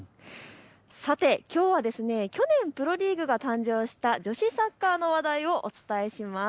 さてきょうは去年、プロリーグが誕生した女子サッカーの話題をお伝えします。